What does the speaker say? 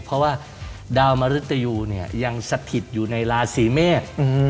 เพราะว่าดาวมริตยูยังสถิตย์อยู่ในราศีเมฆ